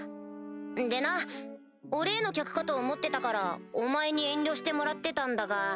でな俺への客かと思ってたからお前に遠慮してもらってたんだが。